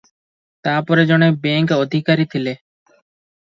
ତା'ପରେ ଜଣେ ବ୍ୟାଙ୍କ ଅଧିକାରୀ ଥିଲେ ।